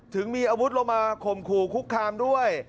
ถึงมีอาวุธลงมาข่มขู่คุกคามด้วย